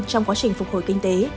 trong quá trình phục hồi kinh tế